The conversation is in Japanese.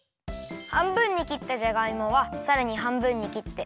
はんぶんにきったじゃがいもはさらにはんぶんにきって。